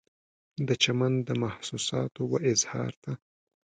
د چمن د محسوساتو و اظهار ته